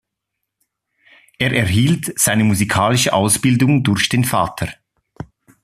Er erhielt seine musikalische Ausbildung durch den Vater.